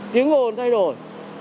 tiếng ngồn thay đổi